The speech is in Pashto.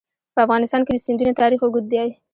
په افغانستان کې د سیندونه تاریخ اوږد دی.